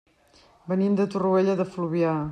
Venim de Torroella de Fluvià.